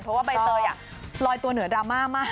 เพราะว่าใบเตยลอยตัวเหนือดราม่ามาก